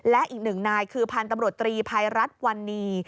และอีกหนึ่งนายคือพันธุ์ตำรวจตรีภัยรัฐวันนี้